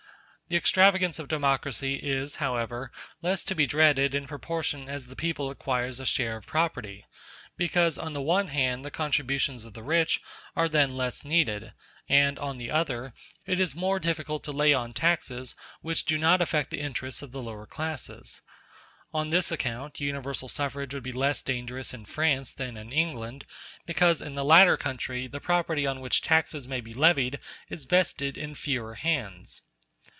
The extravagance of democracy is, however, less to be dreaded in proportion as the people acquires a share of property, because on the one hand the contributions of the rich are then less needed, and, on the other, it is more difficult to lay on taxes which do not affect the interests of the lower classes. On this account universal suffrage would be less dangerous in France than in England, because in the latter country the property on which taxes may be levied is vested in fewer hands.